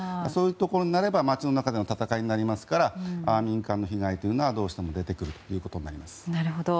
そういうところになれば街の中での戦いになりますから民間の被害はどうしても出てくるということになります。